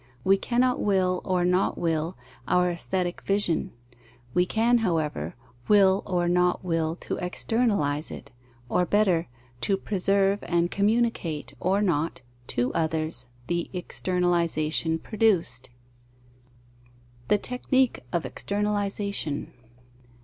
We cannot will or not will our aesthetic vision: we can, however, will or not will to externalize it, or better, to preserve and communicate, or not, to others, the externalization produced. _The technique of externalization.